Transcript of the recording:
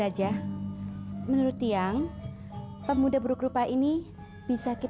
ambilkan selendang tiang janji